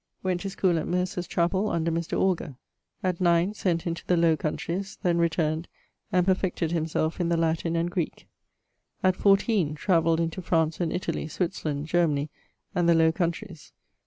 Went to schoole at Mercers Chapell, under Mr. Augur. At 9 sent into the Lowe Countreys; then returned, and perfected himselfe in the Latin and Greeke. 14, travelled into France and Italie, Switzerland, Germany, and the Lowe Countreys.